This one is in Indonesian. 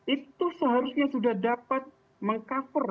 itu seharusnya sudah dapat meng cover